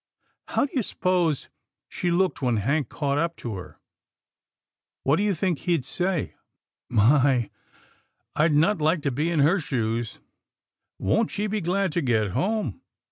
— how do you s'pose she looked when Hank caught up to her? — what do you think he'd say? — my! I'd not like to be in her shoes — won't she be glad to get home